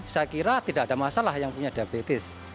saya kira tidak ada masalah yang punya diabetes